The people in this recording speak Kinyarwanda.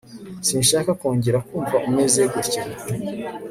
sinshaka kongera kumva umeze gutya